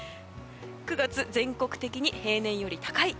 ９月、全国的に平年より高い。